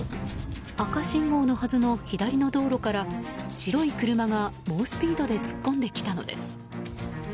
赤信号のはずの左の道路から白い車が猛スピードで突っ込んできたのです。